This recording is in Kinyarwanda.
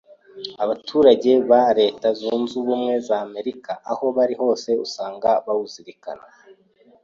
abaturage ba leta zunze ubumwe z’Amerika aho bari hose usanga bawuzirikana.